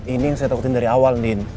ini yang saya takutin dari awal nih